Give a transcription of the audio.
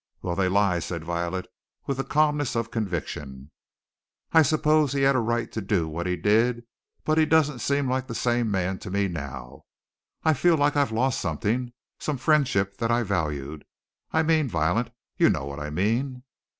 "Well, they lie," said Violet, with the calmness of conviction. "I suppose he had a right to do what he did, but he doesn't seem like the same man to me now. I feel like I'd lost something some friendship that I valued, I mean, Violet you know what I mean."